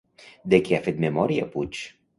De què ha fet memòria Puig?